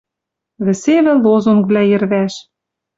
Вӹсевӹ лозунгвлӓ йӹрвӓш